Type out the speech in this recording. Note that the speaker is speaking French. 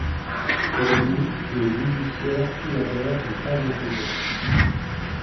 Pour lui, le judiciaire, tout d’abord, n’est pas un pouvoir.